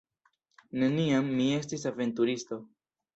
Neniam mi estis aventuristo.